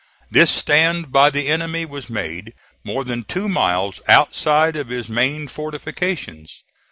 This stand by the enemy was made more than two miles outside of his main fortifications.